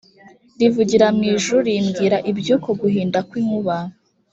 rivugira mu ijuru rimbwira ibyuko guhinda kw’inkuba.